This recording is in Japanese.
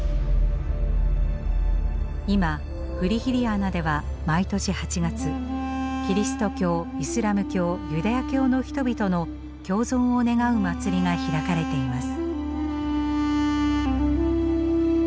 今フリヒリアナでは毎年８月キリスト教イスラム教ユダヤ教の人々の共存を願う祭りが開かれています。